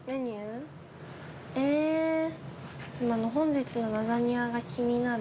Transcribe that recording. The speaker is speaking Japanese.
えあの本日のラザニアが気になる。